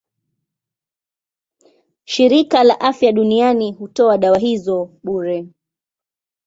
Shirika la Afya Duniani hutoa dawa hizo bure.